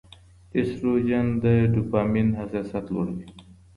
ایسټروجن د ډوپامین حساسیت لوړوي.